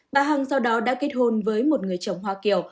bà hằng sau đó đã kết hôn với một người chồng hoa kiều